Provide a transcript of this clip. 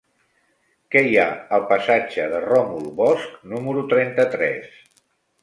Què hi ha al passatge de Ròmul Bosch número trenta-tres?